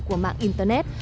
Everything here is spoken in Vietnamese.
của mạng internet